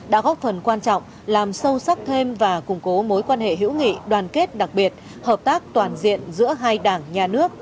đã góp phần quan trọng làm sâu sắc thêm và củng cố mối quan hệ hữu nghị đoàn kết đặc biệt hợp tác toàn diện giữa hai đảng nhà nước